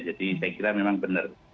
jadi saya kira memang benar